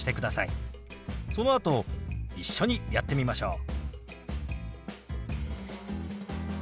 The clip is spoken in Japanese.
そのあと一緒にやってみましょう。